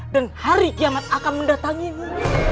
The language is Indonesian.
dan hari kiamat akan mendatangimu